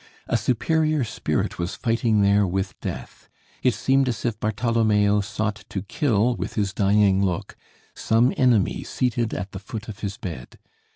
A superior spirit was fighting there with death. It seemed as if Bartholomeo sought to kill with his dying look some enemy seated at the foot of his bed.